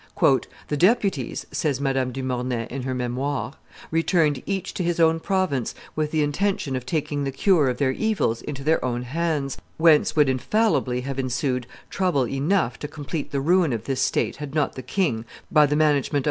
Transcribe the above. "The deputies," says Madame du Mornay in her Memoires, "returned each to his own province, with the intention of taking the cure of their evils into their own hands, whence would infallibly have ensued trouble enough to complete the ruin of this state had not the king, by the management of M.